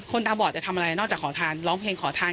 ตาบอดจะทำอะไรนอกจากขอทานร้องเพลงขอทาน